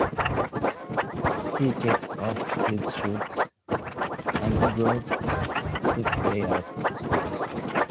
He kicked off his shoes, and groped his way up stairs.